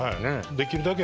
できるだけ